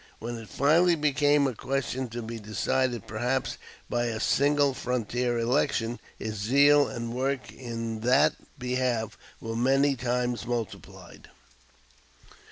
When it finally became a question to be decided perhaps by a single frontier election, his zeal and work in that behalf were many times multiplied.